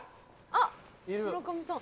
あっ村上さん。